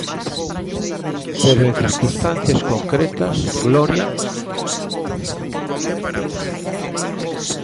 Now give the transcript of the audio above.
Pero en circunstancias concretas, Gloria.